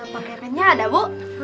pak kerennya ada bu